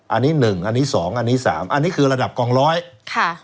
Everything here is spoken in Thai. อันนี้หนึ่งอันนี้สองอันนี้สามอันนี้คือระดับกองร้อยค่ะ